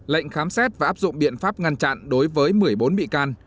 lệnh khám xét và áp dụng biện pháp ngăn chặn đối với một mươi bốn bị can